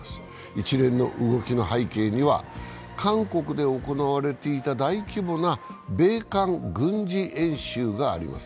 一連の動きの背景には、韓国で行われていた大規模な米韓軍事演習があります。